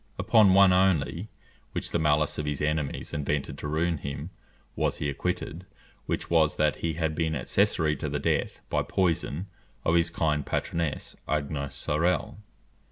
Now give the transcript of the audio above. Upon one only, which the malice of his enemies invented to ruin him, was he acquitted; which was, that he had been accessory to the death, by poison, of his kind patroness, Agnes Sorel.